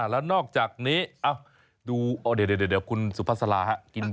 แล้วนอกจากนี้ดูเดี๋ยวคุณสุภาษาลาฮะ